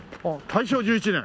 大正１１年。